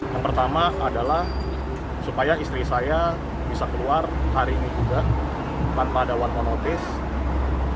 yang pertama adalah supaya istri saya bisa keluar hari ini juga tanpa ada one monoties